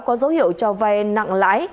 có dấu hiệu cho vay nặng lãi